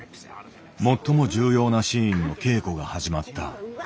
最も重要なシーンの稽古が始まった。